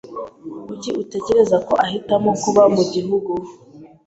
Kuki utekereza ko ahitamo kuba mu gihugu?